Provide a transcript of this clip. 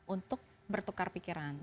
untuk bertukar pikiran